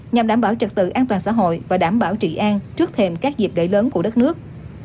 nhằm đảm bảo trật tự an toàn xã hội và đảm bảo trị an trước thêm các dịp lễ lớn của đất nước